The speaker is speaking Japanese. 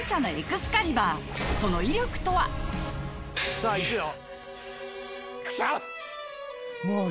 さぁいくよ。